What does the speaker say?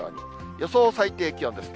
予想最低気温です。